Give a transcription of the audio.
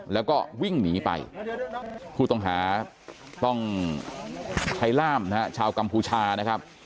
แล้วก็วิ่งหนีไปผู้ต้องหาต้องใช้ล่ามนะฮะชาวกัมพูชานะครับ